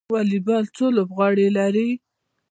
والیبال څو لوبغاړي لري؟